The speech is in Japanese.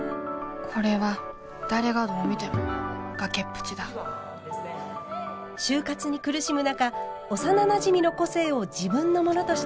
これは誰がどう見ても崖っぷちだ就活に苦しむ中幼なじみの個性を自分のものとして偽った主人公。